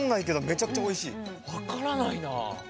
わからないな。